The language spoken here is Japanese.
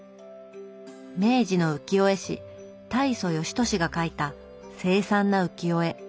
明治の浮世絵師大蘇芳年が描いた凄惨な浮世絵。